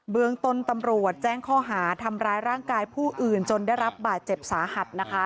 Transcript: เมืองต้นตำรวจแจ้งข้อหาทำร้ายร่างกายผู้อื่นจนได้รับบาดเจ็บสาหัสนะคะ